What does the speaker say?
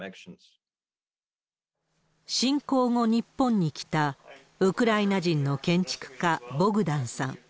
侵攻後、日本に来たウクライナ人の建築家、ボグダンさん。